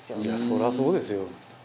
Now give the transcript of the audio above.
「そりゃそうですよ」